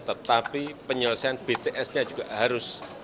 tetapi penyelesaian btsnya juga harus